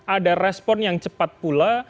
ada respon yang cepat pula